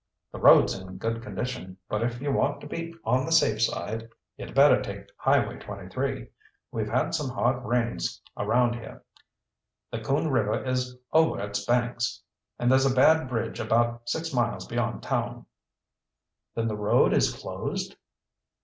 "The road's in good condition. But if you want to be on the safe side you'd better take Highway 23. We've had some hard rains around here. The Coon River is over its banks, and there's a bad bridge about six miles beyond town." "Then the road is closed?"